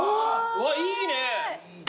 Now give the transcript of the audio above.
うわいいね。